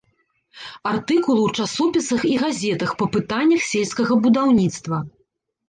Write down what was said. Артыкулы ў часопісах і газетах па пытаннях сельскага будаўніцтва.